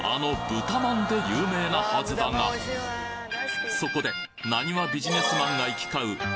豚まんで有名なはずだがそこでなにわビジネスマンが行きかう